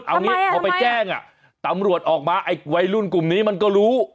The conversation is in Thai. เอางี้พอไปแจ้งตำรวจออกมาไอ้วัยรุ่นกลุ่มนี้มันก็รู้